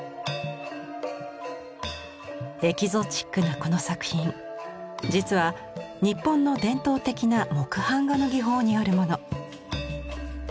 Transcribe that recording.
エキゾチックなこの作品実は日本の伝統的な木版画の技法によるもの。